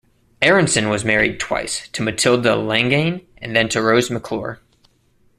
Aronson was married twice, to Matilda Langane and then to Rose McClure.